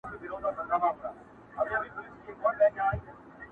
اه بې خود د اسمان ستوري په لړزه کړي،